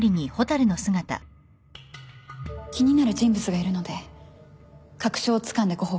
気になる人物がいるので確証をつかんでご報告します